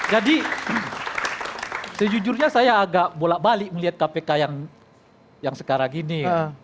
jadi sejujurnya saya agak bolak balik melihat kpk yang sekarang ini